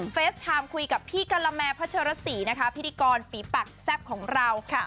สไทม์คุยกับพี่กะละแมพัชรสีนะคะพิธีกรฝีปากแซ่บของเรา